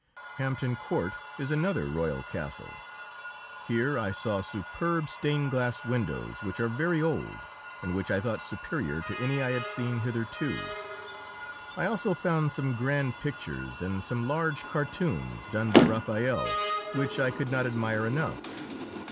Hampton Court is another royal castle. Here I saw superb stained glass windows, which are very old, and which I thought superior to any I had seen hitherto. I also found some grand pictures and some large cartoons, done by Raphael, which I could not admire enough.